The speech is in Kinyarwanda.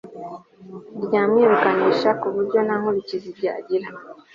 ryamwirukanisha kuburyo ntankurikizi byagira